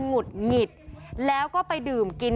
หุดหงิดแล้วก็ไปดื่มกิน